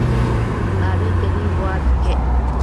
Abitedimbo abi iquec